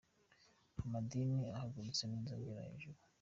Amadini ahagurutse neza agera hejuru